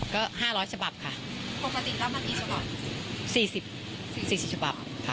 ก็ห้าร้อยฉบับค่ะปกติรับมากี่ฉบับสี่สิบสี่สิบฉบับค่ะ